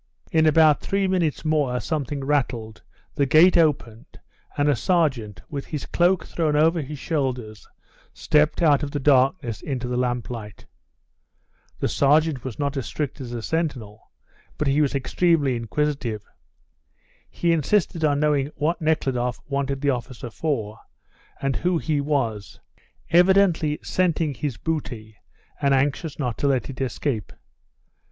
In about three minutes more something rattled, the gate opened, and a sergeant, with his cloak thrown over his shoulders, stepped out of the darkness into the lamplight. The sergeant was not as strict as the sentinel, but he was extremely inquisitive. He insisted on knowing what Nekhludoff wanted the officer for, and who he was, evidently scenting his booty and anxious not to let it escape.